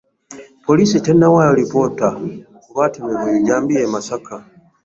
Poliisi tenawaayo alipota ku batemebwa ebijjambiya e masaka.